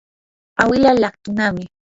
awilaa laqtunami.